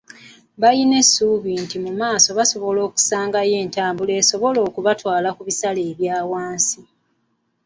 Balina essuubi nti mu maaso basobole okusangayo entambula esobola okubatwalira bisale ebya wansi.